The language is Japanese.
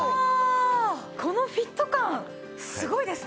このフィット感すごいですね。